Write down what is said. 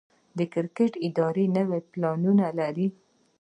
د کرکټ اداره نوي پلانونه لري.